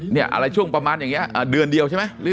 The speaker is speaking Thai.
อะไรช่วงประมาณอย่างนี้เดือนเดียวใช่ไหม